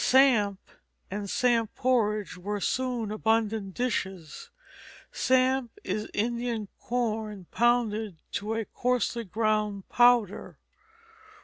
Samp and samp porridge were soon abundant dishes. Samp is Indian corn pounded to a coarsely ground powder.